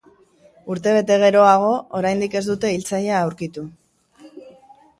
Urtebete geroago, oraindik ez dute hiltzailea aurkitu.